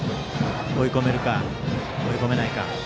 追い込めるか、追い込めないか。